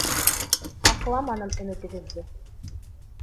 Аҡламаным өмөтөгөҙҙө.